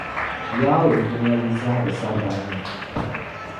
Yawɛ jilima yi zahara sagbana ni.